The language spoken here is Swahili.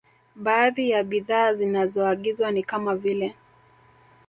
Baadhi ya bidhaa zinazoagizwa ni kama vile